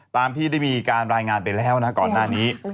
ตามที่ได้มีการรายงานไปแล้วนะก่อนหน้านี้